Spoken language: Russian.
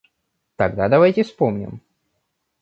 Тогда давайте вспомним.